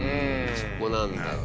そこなんだよ。